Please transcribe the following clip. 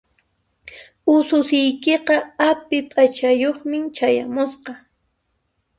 Ususiykiqa api p'achayuqmi chayamusqa.